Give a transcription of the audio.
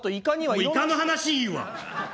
もうイカの話いいわ！